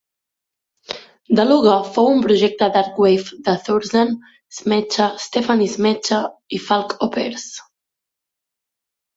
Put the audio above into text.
Deluga fou un projecte darkwave de Thorsten Schmechta, Stefanie Schmechta i Falk Aupers.